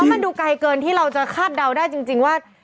มันดูไกลเกินที่เราจะคาดเดาได้จริงว่า